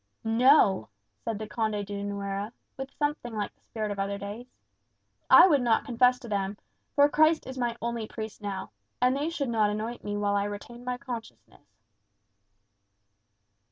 "No," said the Conde de Nuera, with something like the spirit of other days. "I would not confess to them; for Christ is my only priest now. And they should not anoint me while I retained my consciousness."